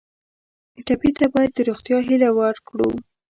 ټپي ته باید د روغتیا هیله ورکړو.